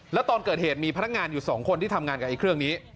แล้วตอนเกิดเหตุมีพนักงานอยู่๒คนที่ทำงานกับไอ้เครื่องนี้